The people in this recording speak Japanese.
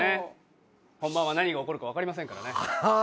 本番は何が起こるか分かりませんからね。